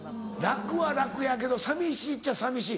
楽は楽やけど寂しいっちゃ寂しい。